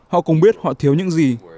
họ cũng biết họ thiếu những gì